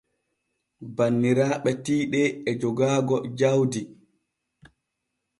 Banniraaɓe tiiɗe e jogaaga jaudi.